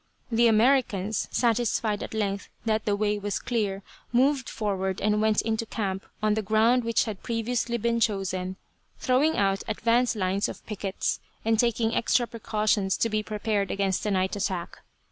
The Americans, satisfied at length that the way was clear, moved forward and went into camp on the ground which had previously been chosen, throwing out advance lines of pickets, and taking extra precautions to be prepared against a night attack.